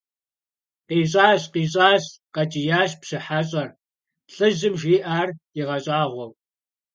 КъищӀащ! КъищӀащ! – къэкӀиящ пщы хьэщӀэр, лӀыжьым жиӀар игъэщӀагъуэу.